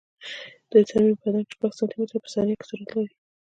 د انسان وینه په بدن کې شپږ سانتي متره په ثانیه سرعت لري.